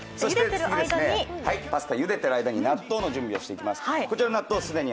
次、パスタゆでている間に納豆の準備をしていきます。